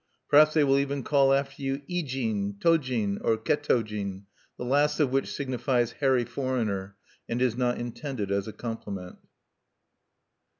Perhaps they will even call after you "Ijin," "Tojin," or "Ke tojin," the last of which signifies "hairy foreigner," and is not intended as a compliment.